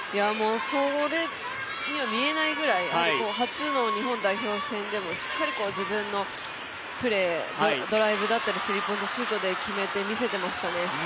それには見えないぐらい初の日本代表戦でもしっかり自分のプレードライブだったりスリーポイントシュートで決めて、見せてましたね。